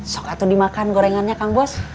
sokak tuh dimakan gorengannya kang bos